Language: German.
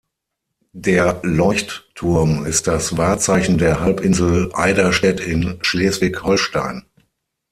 Der Leuchtturm ist das Wahrzeichen der Halbinsel Eiderstedt in Schleswig-Holstein.